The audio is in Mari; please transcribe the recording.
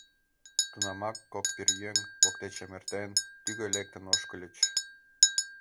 Тунамак кок пӧръеҥ, воктечем эртен, тӱгӧ лектын ошкыльыч.